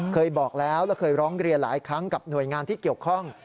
เคยบอกแล้วแล้วเคยร้องเรียนหลายครั้งกับหน่วยงานที่เกี่ยวข้อง